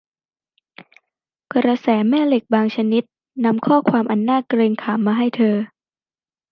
กระแสแม่เหล็กบางชนิดนำข้อความอันน่าเกรงขามมาให้เธอ